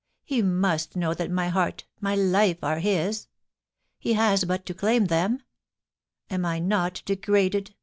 He must know that my heart — my life — are his. He has but to claim them Am I not degraded